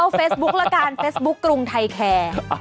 เฟซบุ๊คละกันเฟซบุ๊คกรุงไทยแคร์